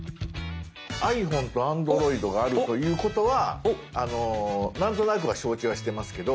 ｉＰｈｏｎｅとＡｎｄｒｏｉｄがあるということはなんとなくは承知はしてますけど。